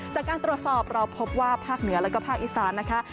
จากการตรวจสอบเราพบว่าภาคเหนือแล้วก็ภาคอีสานนะคะ